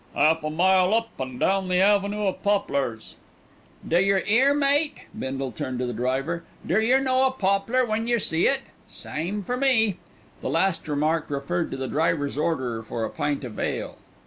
"Half a mile up, and down the avenue of poplars." "D' yer 'ear, mate?" Bindle turned to the driver. "D' yer know a poplar when yer see it? Same for me." The last remark referred to the driver's order for a pint of ale.